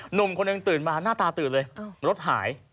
หนุ่มคนหนึ่งตื่นมาหน้าตาตื่นเลยรถหาย